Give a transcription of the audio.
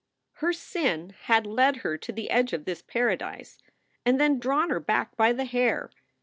Her sin had led her to the edge of this paradise, and then drawn her back by the hair.